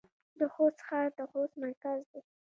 د خوست ښار د خوست مرکز دی